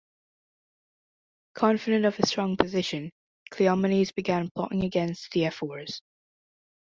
Confident of his strong position, Cleomenes began plotting against the ephors.